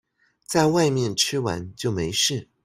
在外面吃完就沒事